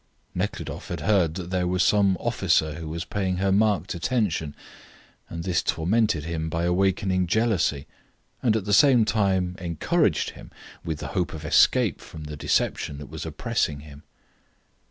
Nekhludoff had heard that there was some officer who was paying her marked attention, and this tormented him by awakening jealousy, and at the same time encouraged him with the hope of escape from the deception that was oppressing him.